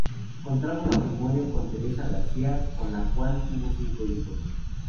Contrajo matrimonio con Teresa García, con la cual tuvo cinco hijos.